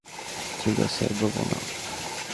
ঠিক আছে, আর বলবো না।